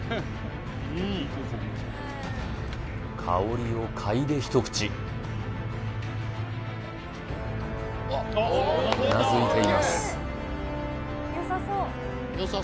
香りを嗅いで一口うなずいています